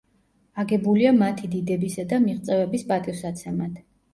აგებულია მათი დიდებისა და მიღწევების პატივსაცემად.